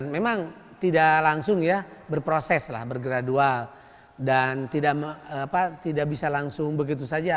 memang tidak langsung ya berproses lah bergradual dan tidak bisa langsung begitu saja